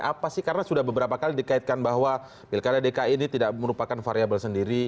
apa sih karena sudah beberapa kali dikaitkan bahwa pilkada dki ini tidak merupakan variable sendiri